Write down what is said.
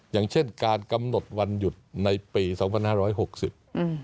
อย่างเช่นการกำหนดวันหยุดในปี๒๕๖๐